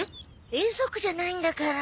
遠足じゃないんだから。